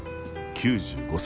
９５歳。